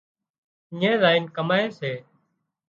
اڃي زائينَ ڪمائي سي